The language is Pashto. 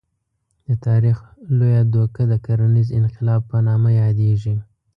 د تاریخ لویه دوکه د کرنیز انقلاب په نامه یادېږي.